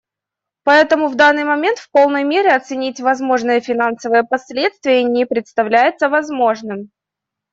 Поэтому в данный момент в полной мере оценить возможные финансовые последствия не представляется возможным.